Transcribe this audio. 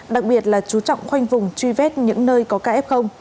đặc biệt là chú trọng khoanh vùng truy vết những nơi có ca f